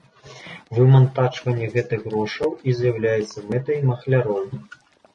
Вымантачванне гэтых грошаў і з'яўляецца мэтай махляроў.